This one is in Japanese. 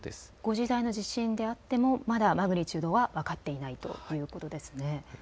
５時台の地震であってもまだマグニチュードは分かっていないということですね。